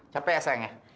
capek ya sayang ya